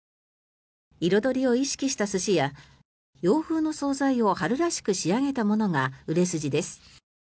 彩りを意識した寿司や洋風の総菜を春らしく仕上げたものが売れ筋です。